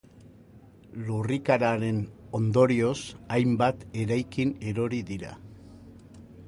Lurrikararen ondorioz, hainbat eraikin erori dira.